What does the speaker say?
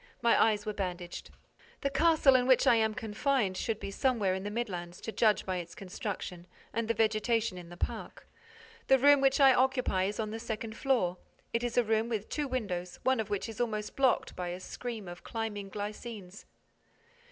My eyes were bandaged. The castle in which I am confined should be somewhere in the midlands, to judge by its construction and the vegetation in the park. The room which I occupy is on the second floor: it is a room with two windows, one of which is almost blocked by a screen of climbing glycines.